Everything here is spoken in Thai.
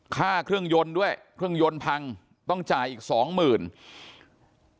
ค่าเครื่องยนต์ด้วยเครื่องยนต์พังต้องจ่ายอีกสองหมื่น